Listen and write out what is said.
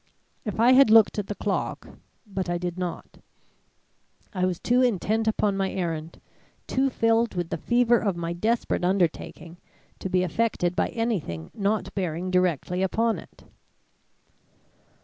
If I had looked at the clock but I did not; I was too intent upon my errand, too filled with the fever of my desperate undertaking, to be affected by anything not bearing directly upon it.